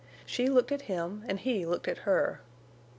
She looked at him and he looked at her.